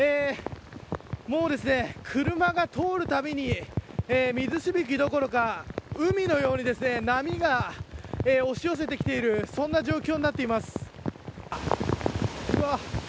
車が通るたびに水しぶきどころか海のように波が押し寄せてきているそんな状況になっています。